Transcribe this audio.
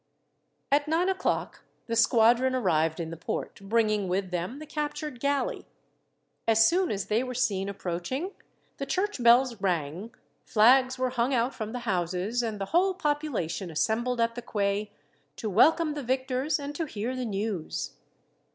At nine o'clock the squadron arrived in the port, bringing with them the captured galley. As soon as they were seen approaching, the church bells rang, flags were hung out from the houses, and the whole population assembled at the quay to welcome the victors and to hear the news.